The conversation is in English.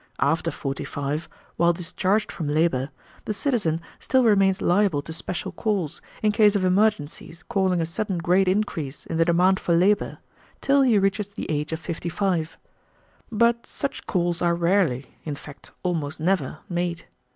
After forty five, while discharged from labor, the citizen still remains liable to special calls, in case of emergencies causing a sudden great increase in the demand for labor, till he reaches the age of fifty five, but such calls are rarely, in fact almost never, made.